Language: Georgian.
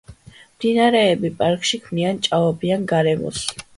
მდინარეები პარკში ქმნიან ჭაობიან გარემოს.